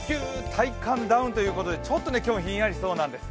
体感ダウンということで今日もひんやりしそうなんです。